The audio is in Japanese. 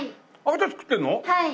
はい。